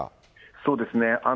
そうですね。